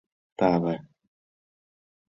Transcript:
— Таве?